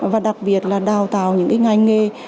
và đặc biệt là đào tạo những ngành nghề